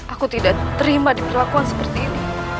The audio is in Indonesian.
aku tidak terima diperlakuan seperti ini